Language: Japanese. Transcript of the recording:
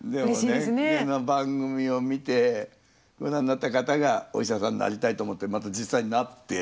この番組を見てご覧になった方がお医者さんになりたいと思ってまた実際になって。